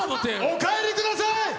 お帰りください。